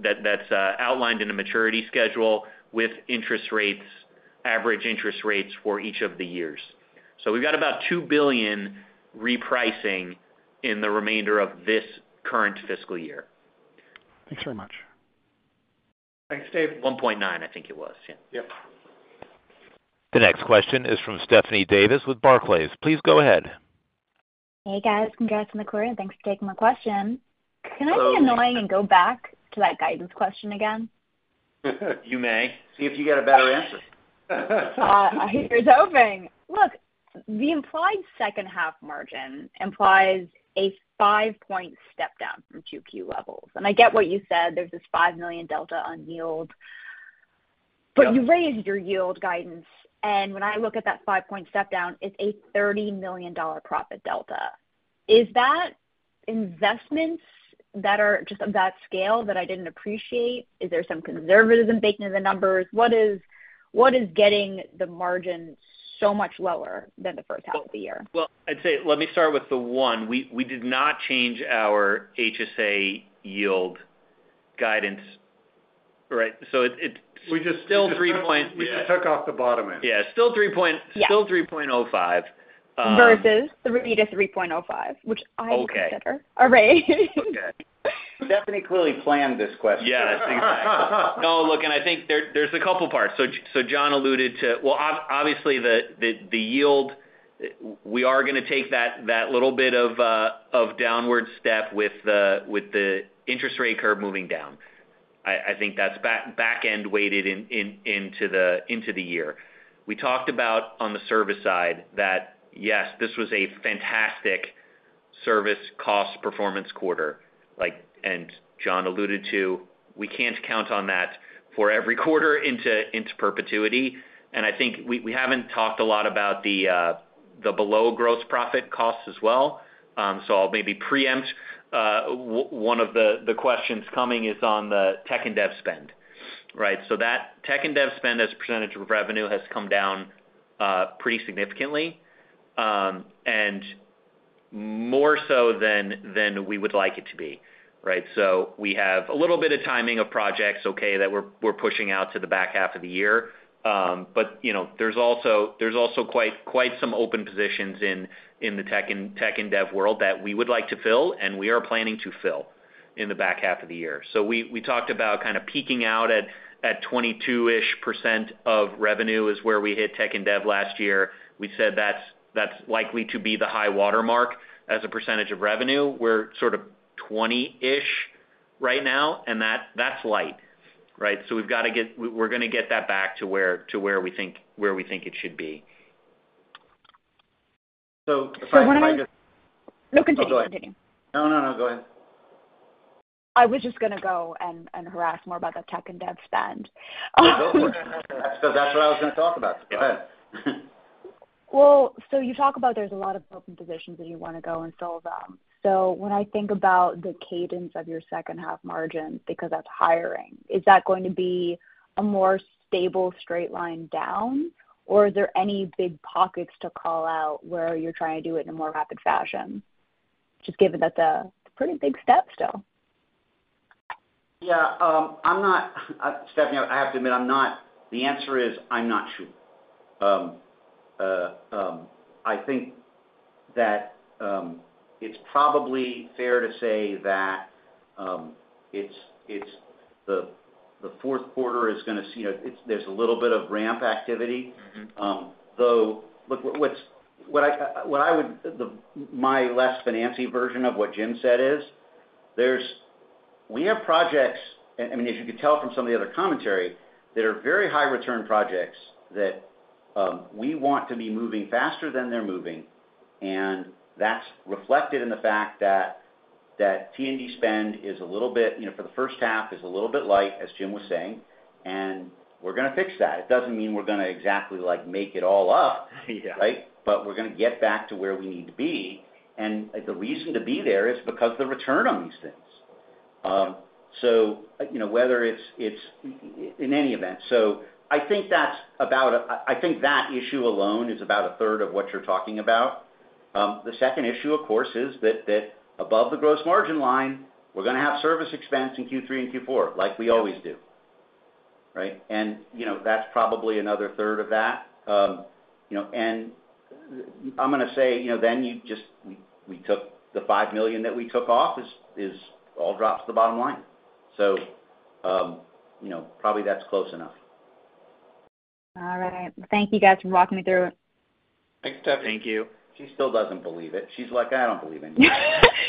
that that's outlined in a maturity schedule with interest rates, average interest rates for each of the years. So we've got about $2 billion repricing in the remainder of this current fiscal year. Thanks very much. Thanks, Dave. One point nine, I think it was. Yeah. Yep. The next question is from Stephanie Davis with Barclays. Please go ahead. Hey, guys. Congrats on the quarter, and thanks for taking my question. Hello. Can I be annoying and go back to that guidance question again? You may. See if you get a better answer. Here's hoping. Look, the implied second half margin implies a 5-point step down from Q2 levels. And I get what you said, there's this $5 million delta on yield. But you raised your yield guidance, and when I look at that 5-point step down, it's a $30 million profit delta. Is that investments that are just of that scale that I didn't appreciate? Is there some conservatism baked into the numbers? What is getting the margin so much lower than the first half of the year? I'd say let me start with the one. We did not change our HSA yield guidance, right? So it- We just- Still three point. We just took off the bottom end. Yeah, still three point- Yeah. Still 3.05. Versus the previous 3.05, which I prefer. Okay. All right. Okay. Stephanie clearly planned this question. Yeah, I think. No, look, and I think there, there's a couple parts. So John alluded to. Well, obviously, the yield, we are going to take that little bit of downward step with the interest rate curve moving down. I think that's back-end weighted into the year. We talked about on the service side, that yes, this was a fantastic service cost performance quarter. Like, and John alluded to, we can't count on that for every quarter into perpetuity. And I think we haven't talked a lot about the below gross profit costs as well. So I'll maybe preempt one of the questions coming is on the tech and dev spend, right? So that tech and dev spend, as a percentage of revenue, has come down pretty significantly, and more so than we would like it to be, right? So we have a little bit of timing of projects, okay, that we're pushing out to the back half of the year. But you know, there's also quite some open positions in the tech and dev world that we would like to fill, and we are planning to fill in the back half of the year. So we talked about kind of peaking out at 22-ish% of revenue is where we hit tech and dev last year. We said that's likely to be the high watermark as a percentage of revenue. We're sort of 20-ish% right now, and that's light, right? So we're going to get that back to where we think it should be. So if I just. No, continue. Continue. No, no, no, go ahead. I was just going to go and harass more about the tech and dev spend. So that's what I was going to talk about. Go ahead. So you talk about there's a lot of open positions, and you want to go and fill them. So when I think about the cadence of your second half margin, because that's hiring, is that going to be a more stable straight line down, or is there any big pockets to call out where you're trying to do it in a more rapid fashion? Just given that's a pretty big step still. Yeah, Stephanie, I have to admit. The answer is, I'm not sure. I think that it's probably fair to say that it's the fourth quarter is going to see, there's a little bit of ramp activity. Mm-hmm. Though, look, what I would. My less finance-y version of what Jim said is, there's we have projects, and I mean, as you can tell from some of the other commentary, that are very high return projects that we want to be moving faster than they're moving, and that's reflected in the fact that that T&D spend is a little bit, you know, for the first half, is a little bit light, as Jim was saying, and we're going to fix that. It doesn't mean we're going to exactly like make it all up. Yeah. Right? But we're going to get back to where we need to be, and the reason to be there is because the return on these things. So, you know. In any event, so I think that issue alone is about a third of what you're talking about. The second issue, of course, is that above the gross margin line, we're going to have service expense in Q3 and Q4, like we always do, right? And, you know, that's probably another third of that. You know, I'm gonna say, you know, then you just, we took the $5 million that we took off is all dropped to the bottom line. So, you know, probably that's close enough. All right. Thank you, guys, for walking me through it. Thanks, Stephanie. Thank you. She still doesn't believe it. She's like: I don't believe anything.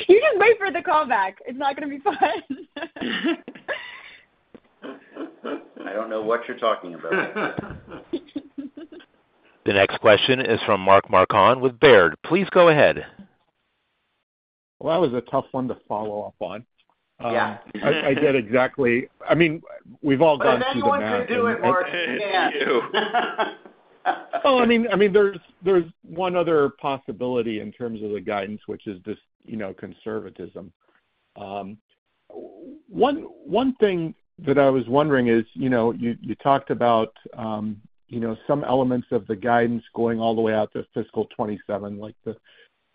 You just wait for the call back. It's not gonna be fun. I don't know what you're talking about. The next question is from Mark Marcon with Baird. Please go ahead. That was a tough one to follow up on. Yeah. I did exactly... I mean, we've all gone through the math. But if anyone can do it, Mark, it's you. Well, I mean, there's one other possibility in terms of the guidance, which is just, you know, conservatism. One thing that I was wondering is, you know, you talked about, you know, some elements of the guidance going all the way out to fiscal 2027, like the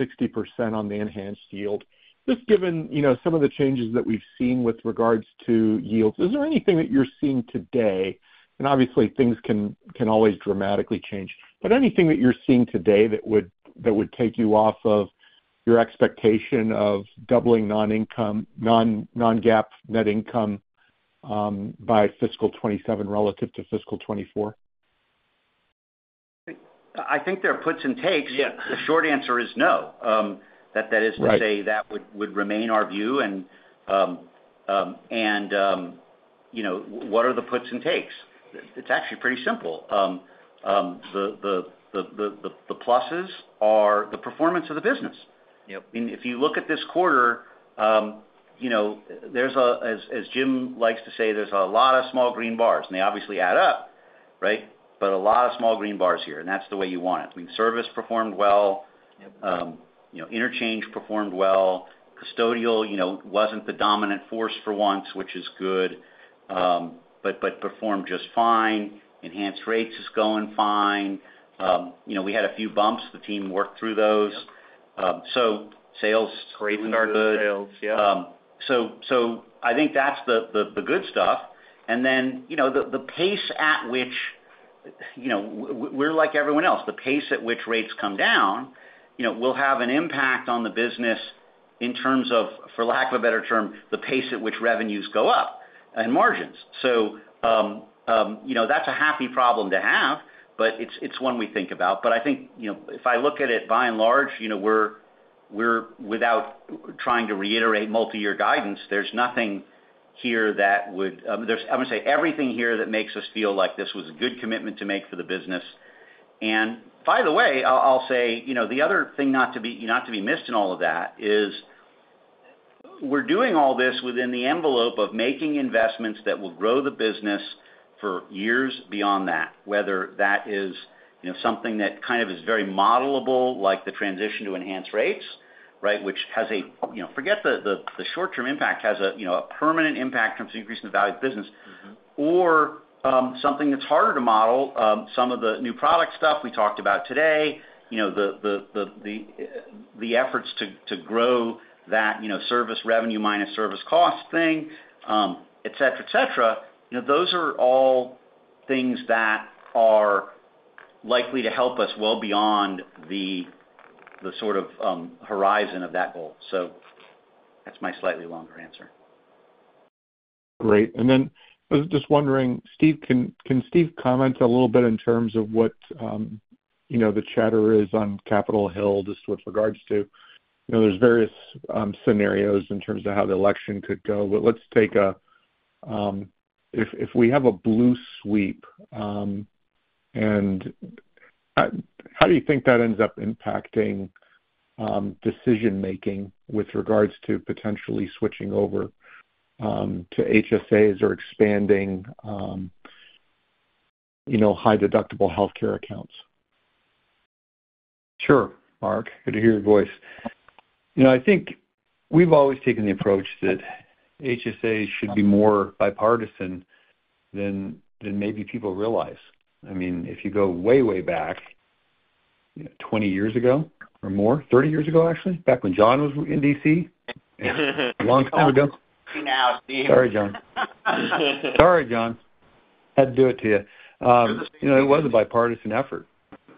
60% on the enhanced yield. Just given, you know, some of the changes that we've seen with regards to yields, is there anything that you're seeing today, and obviously things can always dramatically change, but anything that you're seeing today that would take you off of your expectation of doubling non-income non-GAAP net income by fiscal 2027 relative to fiscal 2024? I think there are puts and takes. Yeah. The short answer is no. That is- Right... to say that would remain our view. And, you know, what are the puts and takes? It's actually pretty simple. The pluses are the performance of the business. Yep. If you look at this quarter, you know, as Jim likes to say, there's a lot of small green bars, and they obviously add up, right? But a lot of small green bars here, and that's the way you want it. I mean, service performed well. Yep. You know, interchange performed well. Custodial, you know, wasn't the dominant force for once, which is good, but performed just fine. Enhanced rates is going fine. You know, we had a few bumps. The team worked through those. Yep. So sales rates are good. Sales, yeah. So I think that's the good stuff. And then, you know, the pace at which, you know, we're like everyone else, the pace at which rates come down, you know, will have an impact on the business in terms of, for lack of a better term, the pace at which revenues go up and margins. So, you know, that's a happy problem to have, but it's one we think about. But I think, you know, if I look at it, by and large, you know, we're without trying to reiterate multi-year guidance, there's nothing here that would. I would say everything here that makes us feel like this was a good commitment to make for the business. And by the way, I'll say, you know, the other thing not to be missed in all of that is we're doing all this within the envelope of making investments that will grow the business for years beyond that. Whether that is, you know, something that kind of is very modelable, like the transition to enhanced rates, right? Which has a, you know, forget the short-term impact, has a, you know, a permanent impact in terms of increasing the value of business. Mm-hmm. Or, something that's harder to model, some of the new product stuff we talked about today, you know, the efforts to grow that, you know, service revenue minus service cost thing, et cetera, et cetera. You know, those are all things that are likely to help us well beyond the sort of horizon of that goal. So that's my slightly longer answer. Great. And then I was just wondering, Steve, can Steve comment a little bit in terms of what, you know, the chatter is on Capitol Hill, just with regards to, you know, there's various scenarios in terms of how the election could go. But let's take a, if we have a blue sweep, and how do you think that ends up impacting decision-making with regards to potentially switching over to HSAs or expanding, you know, high deductible healthcare accounts? Sure, Mark, good to hear your voice. You know, I think we've always taken the approach that HSA should be more bipartisan than maybe people realize. I mean, if you go way, way back, you know, 20 years ago or more, 30 years ago, actually, back when John was in D.C., a long time ago. Now, Steve. Sorry, John. Sorry, John. Had to do it to you. You know, it was a bipartisan effort.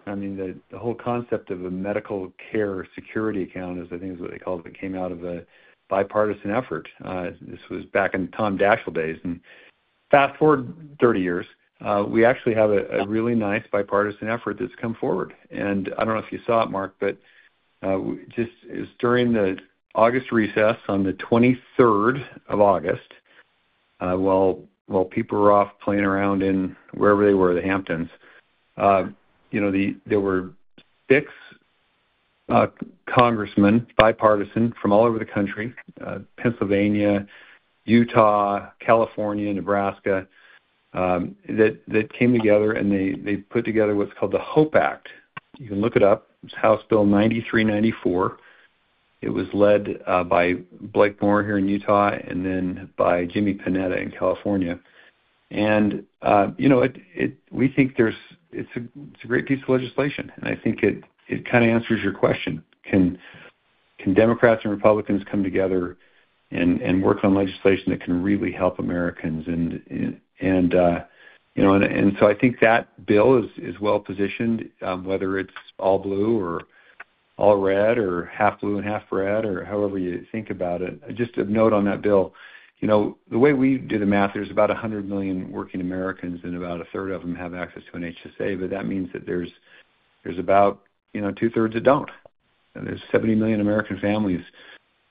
I mean, the whole concept of a medical care security account is, I think, what they called it, came out of a bipartisan effort. This was back in Tom Daschle days. And fast-forward thirty years, we actually have a really nice bipartisan effort that's come forward. And I don't know if you saw it, Mark, but just it was during the August recess on the twenty-third of August, while people were off playing around in wherever they were, the Hamptons. You know, there were six congressmen, bipartisan from all over the country, Pennsylvania, Utah, California, Nebraska, that came together, and they put together what's called the HOPE Act. You can look it up. It's House Bill 9394. It was led by Blake Moore here in Utah, and then by Jimmy Panetta in California. And you know, we think it's a great piece of legislation, and I think it kind of answers your question: Can-... Can Democrats and Republicans come together and work on legislation that can really help Americans? And you know, so I think that bill is well-positioned, whether it's all blue or all red, or half blue and half red, or however you think about it. Just a note on that bill. You know, the way we do the math, there's about 100 million working Americans, and about a third of them have access to an HSA. But that means that there's about, you know, two thirds that don't. There's 70 million American families,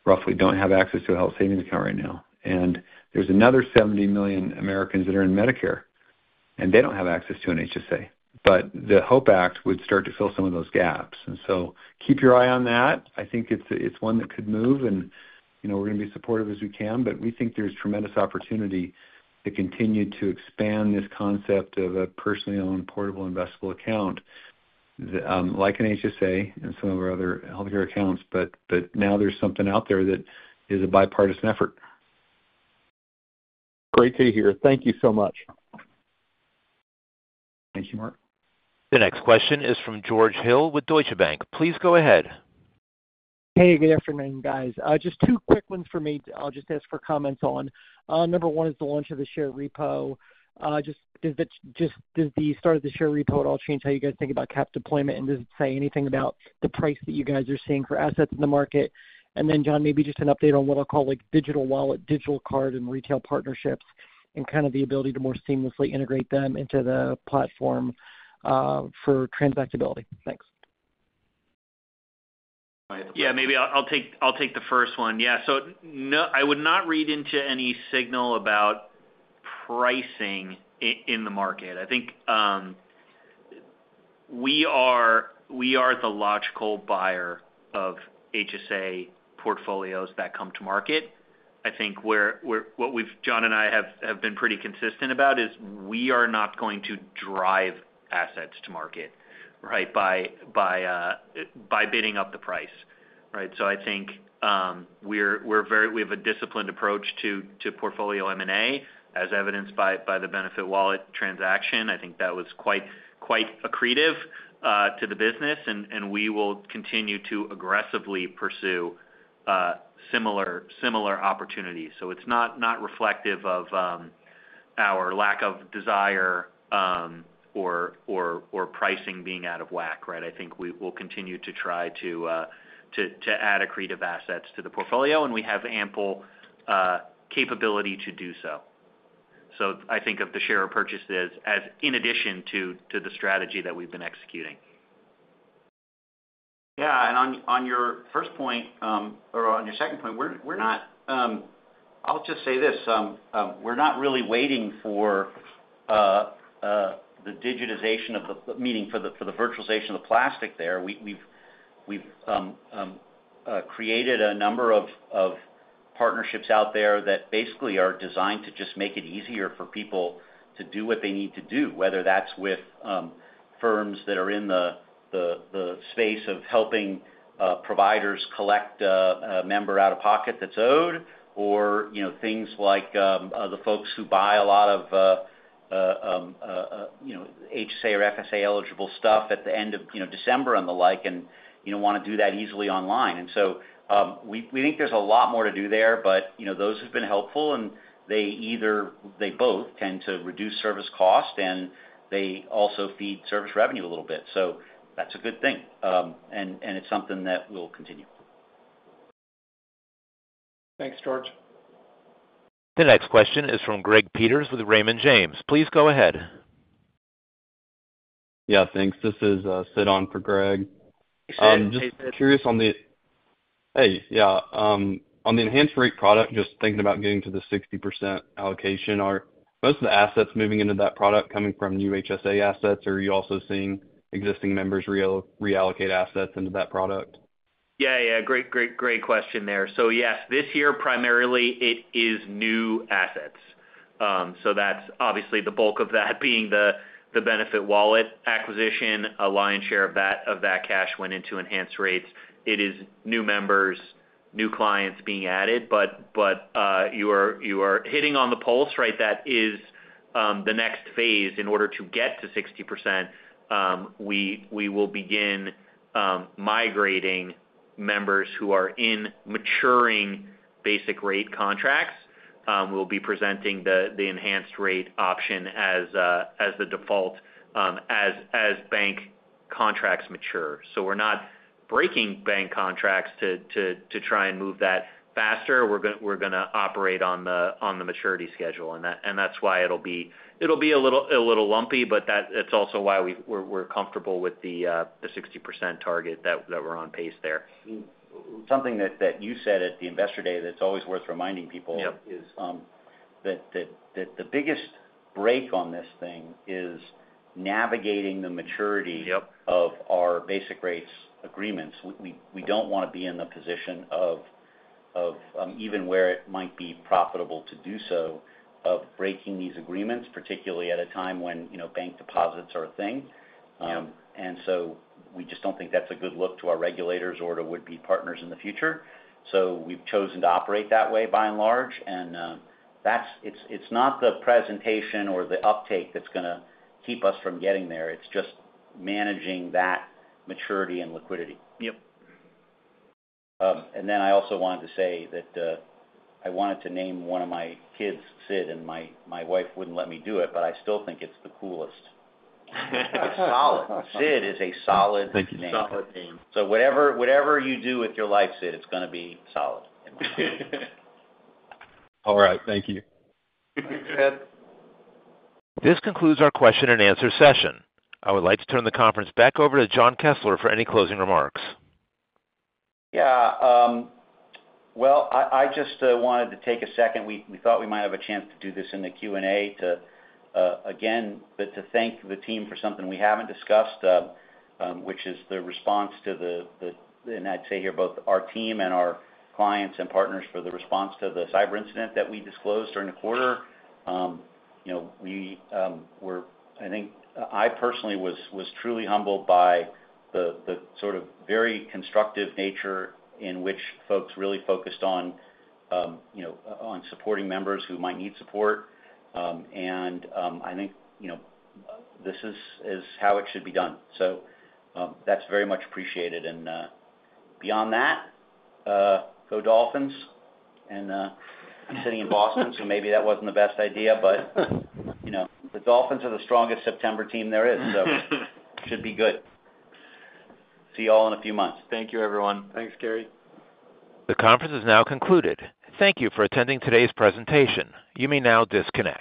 roughly, don't have access to a health savings account right now. And there's another 70 million Americans that are in Medicare, and they don't have access to an HSA. But the HOPE Act would start to fill some of those gaps. And so keep your eye on that. I think it's one that could move and, you know, we're gonna be supportive as we can, but we think there's tremendous opportunity to continue to expand this concept of a personally owned, portable, investable account, like an HSA and some of our other healthcare accounts, but now there's something out there that is a bipartisan effort. Great to hear. Thank you so much. Thank you, Mark. The next question is from George Hill with Deutsche Bank. Please go ahead. Hey, good afternoon, guys. Just two quick ones for me. I'll just ask for comments on. Number one is the launch of the share repo. Does the start of the share repo at all change how you guys think about cap deployment? And does it say anything about the price that you guys are seeing for assets in the market? And then, John, maybe just an update on what I'll call, like, digital wallet, digital card, and retail partnerships, and kind of the ability to more seamlessly integrate them into the platform, for transactability. Thanks. Yeah, maybe I'll take the first one. Yeah. So no, I would not read into any signal about pricing in the market. I think we are the logical buyer of HSA portfolios that come to market. I think we're... What we've, John and I have been pretty consistent about, is we are not going to drive assets to market, right, by bidding up the price. Right? So I think, we're very we have a disciplined approach to portfolio M&A, as evidenced by the BenefitWallet transaction. I think that was quite accretive to the business, and we will continue to aggressively pursue similar opportunities. So it's not reflective of our lack of desire or pricing being out of whack, right? I think we will continue to try to add accretive assets to the portfolio, and we have ample capability to do so. So I think of the share of purchases as in addition to the strategy that we've been executing. Yeah, and on your first point, or on your second point, we're not. I'll just say this, we're not really waiting for the digitization of the, meaning for the virtualization of the plastic there. We've created a number of partnerships out there that basically are designed to just make it easier for people to do what they need to do, whether that's with firms that are in the space of helping providers collect a member out-of-pocket that's owed, or, you know, things like the folks who buy a lot of, you know, HSA or FSA eligible stuff at the end of, you know, December and the like, and, you know, wanna do that easily online. And so, we think there's a lot more to do there, but you know, those have been helpful, and they either, they both tend to reduce service cost, and they also feed service revenue a little bit. So that's a good thing. And it's something that we'll continue. Thanks, George. The next question is from Greg Peters with Raymond James. Please go ahead. Yeah, thanks. This is, Sid on for Greg. Hey, Sid. Just curious on the enhanced rate product, just thinking about getting to the 60% allocation, are most of the assets moving into that product coming from new HSA assets, or are you also seeing existing members reallocate assets into that product? Yeah, yeah. Great, great, great question there. So yes, this year, primarily, it is new assets. So that's obviously the bulk of that being the BenefitWallet acquisition. A lion's share of that cash went into enhanced rates. It is new members, new clients being added. But, but, you are hitting on the pulse, right? That is the next phase. In order to get to 60%, we will begin migrating members who are in maturing basic rate contracts. We'll be presenting the enhanced rate option as the default as bank contracts mature. So we're not breaking bank contracts to try and move that faster. We're gonna operate on the maturity schedule, and that's why it'll be a little lumpy, but that's also why we're comfortable with the 60% target, that we're on pace there. Something that you said at the Investor Day that's always worth reminding people- Yep... is, that the biggest break on this thing is navigating the maturity- Yep of our basic rates agreements. We don't want to be in the position of even where it might be profitable to do so, of breaking these agreements, particularly at a time when, you know, bank deposits are a thing. Yep. And so we just don't think that's a good look to our regulators or to would-be partners in the future. So we've chosen to operate that way, by and large, and it's not the presentation or the uptake that's gonna keep us from getting there. It's just managing that maturity and liquidity. Yep. And then I also wanted to say that I wanted to name one of my kids Sid, and my wife wouldn't let me do it, but I still think it's the coolest. It's solid. Sid is a solid name. Thank you. Solid name. So whatever, whatever you do with your life, Sid, it's gonna be solid. All right. Thank you. This concludes our question and answer session. I would like to turn the conference back over to John Kessler for any closing remarks. Yeah, well, I just wanted to take a second. We thought we might have a chance to do this in the Q&A to again, but to thank the team for something we haven't discussed, which is the response to the - and I'd say here, both our team and our clients and partners, for the response to the cyber incident that we disclosed during the quarter. You know, we were. I think, I personally was truly humbled by the sort of very constructive nature in which folks really focused on you know, on supporting members who might need support. I think, you know, this is how it should be done. That's very much appreciated. Beyond that, go Dolphins, and I'm sitting in Boston, so maybe that wasn't the best idea, but, you know, the Dolphins are the strongest September team there is, so should be good. See you all in a few months. Thank you, everyone. Thanks, Gary. The conference is now concluded. Thank you for attending today's presentation. You may now disconnect.